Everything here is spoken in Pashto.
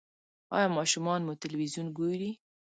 ایا ماشومان مو تلویزیون ګوري؟